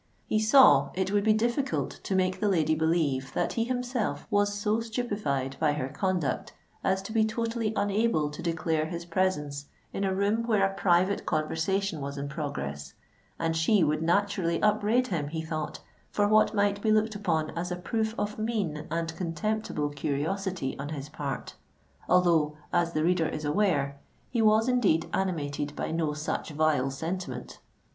He saw it would be difficult to make the lady believe that he himself was so stupified by her conduct, as to be totally unable to declare his presence in a room where a private conversation was in progress; and she would naturally upbraid him, he thought, for what might be looked upon as a proof of mean and contemptible curiosity on his part—although, as the reader is aware, he was indeed animated by no such vile sentiment.